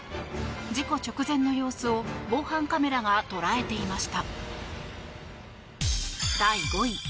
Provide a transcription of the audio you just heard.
事故直前の様子を防犯カメラが捉えていました。